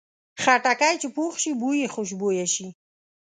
خټکی چې پوخ شي، بوی یې خوشبویه شي.